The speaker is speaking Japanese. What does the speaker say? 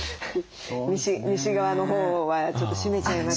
西側のほうはちょっと閉めちゃいます